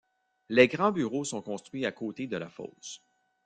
Les grands bureaux sont construits à côté de la fosse.